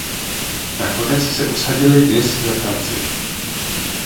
Nakonec se usadili Nice ve Francii.